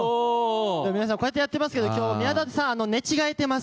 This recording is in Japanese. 皆さん、こうやってやってますけど、きょう、宮舘さん、寝違えてます。